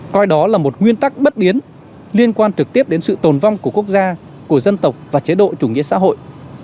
coi đó là một nguyên tắc bất biến liên quan trực tiếp đến sự tồn vong của quốc gia của dân tộc và chế độ chủ nghĩa xã hội